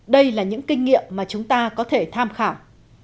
đây là những kinh nghiệm mà chúng ta có thể tham khảo